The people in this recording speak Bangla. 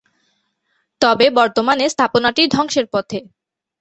তবে বর্তমানে স্থাপনাটি ধ্বংসের পথে।